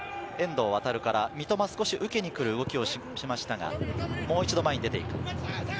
三笘は少し受けに来る動きをしましたが、もう一度前に出て行く。